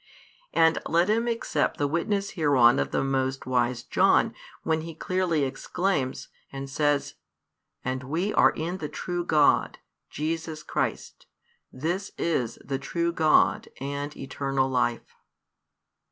And let him accept the witness hereon of the most wise John, when he clearly exclaims, and says: And we are in the true God, Jesus Christ: this is the true God and eternal life.